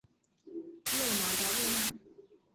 勒马达热奈。